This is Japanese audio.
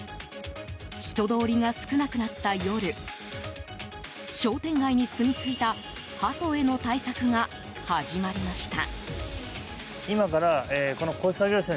人通りが少なくなった夜商店街にすみついたハトへの対策が始まりました。